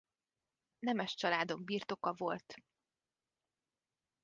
Nemes családok birtoka volt.